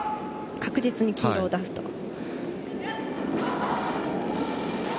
確実に黄色を出すと。